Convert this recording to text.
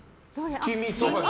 月見そばだ。